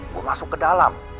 gue masuk ke dalam